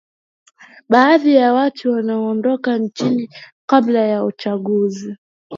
Baadhi ya watu waondoka nchini kabla ya uchaguzi